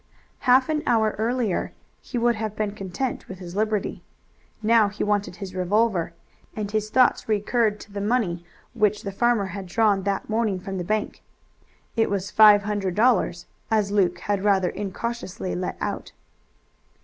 Half an hour earlier he would have been content with his liberty. Now he wanted his revolver, and his thoughts recurred to the money which the farmer had drawn that morning from the bank. It was five hundred dollars, as Luke had rather incautiously let out.